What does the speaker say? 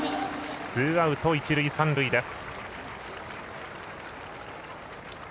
ツーアウト、一塁三塁です。